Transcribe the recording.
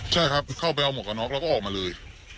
ใช่ครับเข้าไปเอาหวกกันน็อกแล้วก็ออกมาเลย